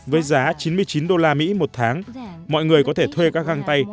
với giá chín mươi chín đô la mỹ một tháng mọi người có thể thuê các găng tay